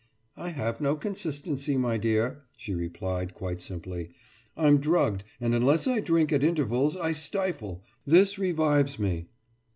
« »I have no consistency, my dear,« she replied, quite simply. »I'm drugged, and unless I drink at intervals I stifle ... This revives me.